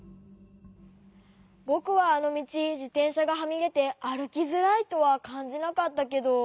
ぼくはあのみちじてんしゃがはみでてあるきづらいとはかんじなかったけど。